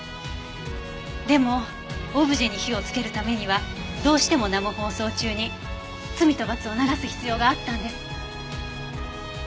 でもオブジェに火をつけるためにはどうしても生放送中に『罪と罰』を流す必要があったんです。